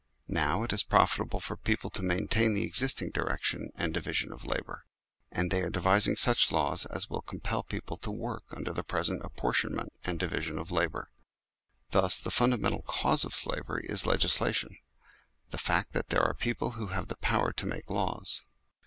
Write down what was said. Now it is profitable for people to maintain the existing direction and division of labour ; and they are devising such laws as will compel people to work under the present apportionment and division of labour. Thus the fundamental cause of slavery is legislation : the fact that there are people who have the power to make laws.